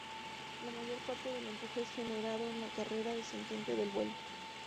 La mayor parte del empuje es generado en la carrera descendente del vuelo.